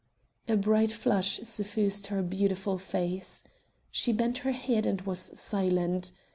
A bright flush suffused her beautiful face. She bent her head and was silent.